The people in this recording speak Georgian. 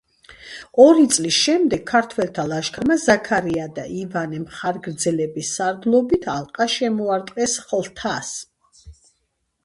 ორი წლის შემდეგ ქართველთა ლაშქარმა ზაქარია და ივანე მხარგრძელების სარდლობით ალყა შემოარტყეს ხლათს.